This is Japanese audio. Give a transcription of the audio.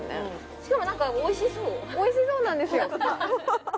しかも何かおいしそうおいしそうなんですよ